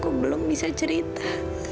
aku belum bisa cerita